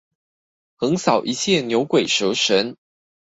橫掃一切牛鬼蛇神